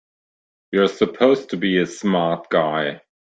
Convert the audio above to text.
You're supposed to be a smart guy!